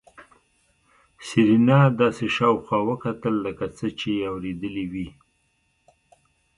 سېرېنا داسې شاوخوا وکتل لکه څه چې يې اورېدلي وي.